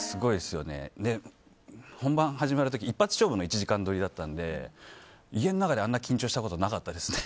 本番始まる時、一発勝負の１時間撮りだったので家の中であんなに緊張したことなかったですね。